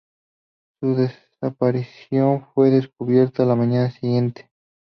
Su desaparición fue descubierta a la mañana siguiente.